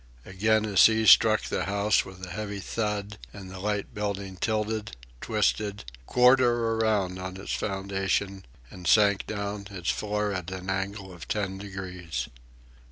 Again a sea struck the house, with a heavy thud, and the light building tilted, twisted, quarter around on its foundation, and sank down, its floor at an angle of ten degrees.